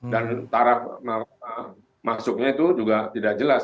dan tarap masuknya itu juga tidak jelas